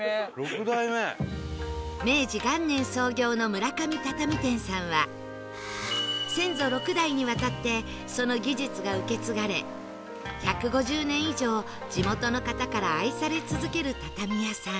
明治元年創業の村上畳店さんは先祖６代にわたってその技術が受け継がれ１５０年以上地元の方から愛され続ける畳屋さん